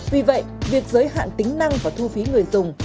vì vậy việc giới hạn tính năng và thu phí người dùng